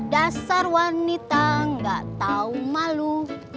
dasar wanita gak tahu malu